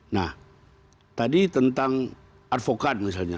nah tadi tentang advokat misalnya